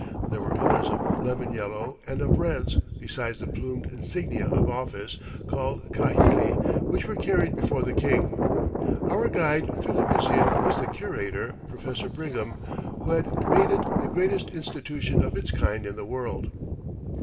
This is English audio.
There were others of lemon yellow and of reds, besides the plumed insignia of office, called kahili, which were carried before the king. Our guide through the museum was the curator, Professor Brigham, who had made it the greatest institution of its kind in the world.